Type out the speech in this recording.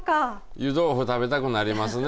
湯豆腐食べたくなりますね